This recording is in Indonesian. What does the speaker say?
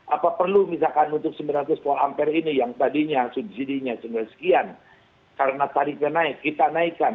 apa perlu misalkan untuk sembilan ratus volt ampere ini yang tadinya subsidi nya sudah sekian karena tarifnya naik kita naikkan